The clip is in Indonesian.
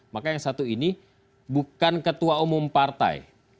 maka yang satu ini bukan ketua umum partai